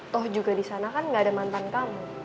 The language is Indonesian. toh juga disana kan gak ada mantan kamu